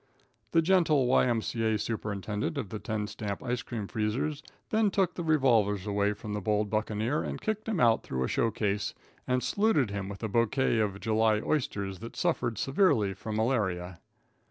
The gentle Y.M.C.A. superintendent of the ten stamp ice cream freezers then took the revolvers away from the bold buccaneer, and kicked him out through a show case, and saluted him with a bouquet of July oysters that suffered severely from malaria.